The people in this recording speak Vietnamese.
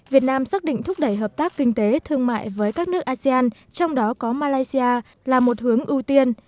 việt nam xác định thúc đẩy hợp tác kinh tế thương mại với các nước asean trong đó có malaysia là một hướng ưu tiên